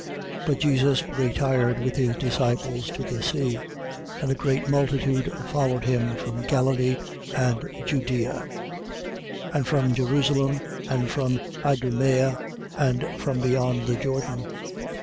3:7. But Jesus retired with his disciples to the sea; and a great multitude followed him from Galilee and Judea, 3:8. And from Jerusalem, and from Idumea and from beyond the Jordan.